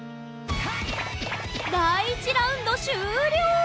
第１ラウンド終了！